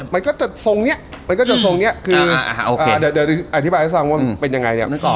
มันก็จะทรงนี้อธิบายให้สร้างว่าเป็นยังไง